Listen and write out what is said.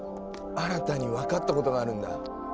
新たに分かったことがあるんだ。